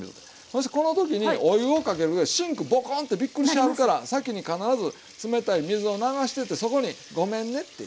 そしてこの時にお湯をかけるとシンクボコンってびっくりしはるから先に必ず冷たい水を流しててそこにごめんねって。